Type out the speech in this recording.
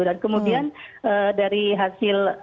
dan kemudian dari hasil